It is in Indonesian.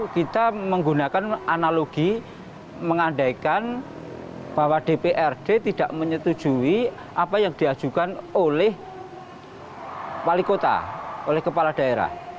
kita menggunakan analogi mengandaikan bahwa dprd tidak menyetujui apa yang diajukan oleh wali kota oleh kepala daerah